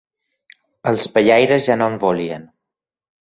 Els pellaires ja no en volien